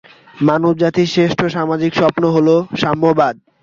মানবজাতির শ্রেষ্ঠ সামাজিক স্বপ্ন হলো সাম্যবাদ।